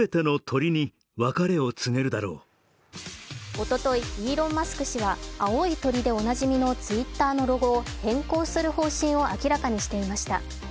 おとといイーロン・マスク氏は青い鳥でおなじみのＴｗｉｔｔｅｒのロゴを変更する方針を明らかにしていました。